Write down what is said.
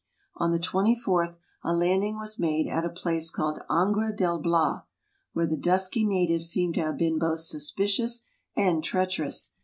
On the 24, a landing was made at a place called Angra del Bias, where the dusky natives seem to have been both suspicious and treacherous.